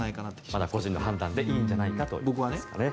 まだ個人の判断でいいのではないかということですね。